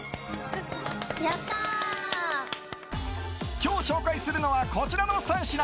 今日紹介するのはこちらの３品。